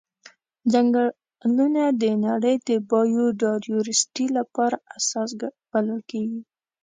ځنګلونه د نړۍ د بایوډایورسټي لپاره اساس بلل کیږي.